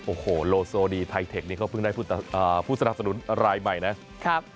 โอ้โหโลโซดีไทเทคนี้เขาเพิ่งได้ผู้สนับสนุนรายใหม่นะครับ